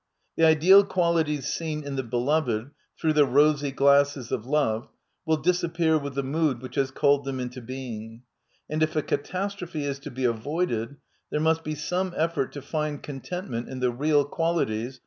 The ideal qualities seen in the beloved, through the rosy glasses of love, will dis appear with the mood which has called them into being, and if a catastrophe is to be avoided there must be some effort to find contentment in the real quditjcs^